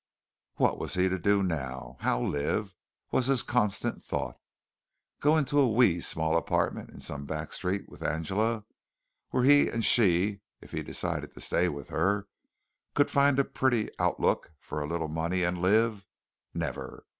What was he to do now? how live? was his constant thought. Go into a wee, small apartment in some back street with Angela, where he and she, if he decided to stay with her, could find a pretty outlook for a little money and live? Never.